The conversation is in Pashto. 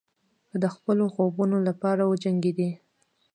که د خپلو خوبونو لپاره وجنګېدئ.